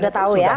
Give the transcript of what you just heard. sudah tahu ya